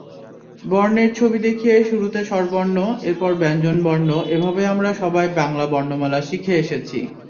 বর্ণের ছবি দেখিয়ে শুরুতে স্বরবর্ণ, এরপর ব্যাঞ্জনবর্ণ—এভাবেই আমরা সবাই বাংলা বর্ণমালা শিখে এসেছি।